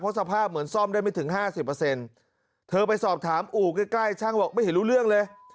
สภาพเหมือนซ่อมได้ไม่ถึง๕๐เธอไปสอบถามอู่ใกล้ช่างบอกไม่เห็นรู้เรื่องเลย